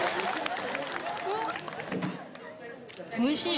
おいしい。